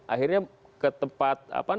akhirnya ketepuk tangan